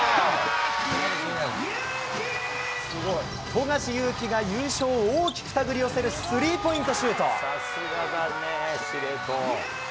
富樫勇樹が優勝を大きく手繰り寄せるスリーポイントシュート。